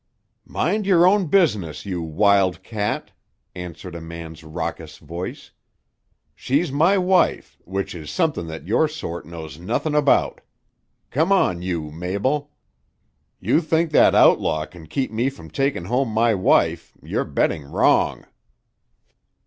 "Mind your own business, you wild cat," answered a man's raucous voice. "She's my wife, which is somethin' that your sort knows nothin' about. Come on, you Mabel. You think that outlaw can keep me from takin' home my wife, you're betting wrong."